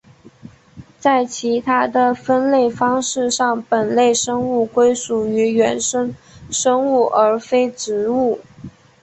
在其他的分类方式上本类生物归属于原生生物而非植物。